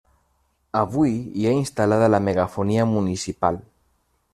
Avui hi ha instal·lada la megafonia municipal.